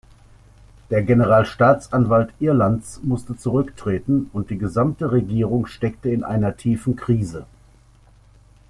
Der Generalstaatsanwalt Irlands musste zurücktreten und die gesamte Regierung steckte in einer tiefen Krise.